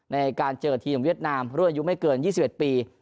ในการเจอทีมเวียดนามรุ่นอายุไม่เกิน๒๑ปี